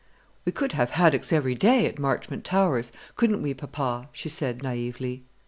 "We could have haddocks every day at Marchmont Towers, couldn't we, papa?" she said naïvely.